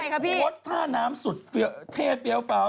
คือมันเป็นโครตท่าน้ำสุดเท่เฟี้ยวเฟ้านะฮะ